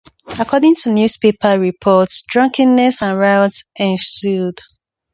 According to newspaper reports drunkenness and riots ensued.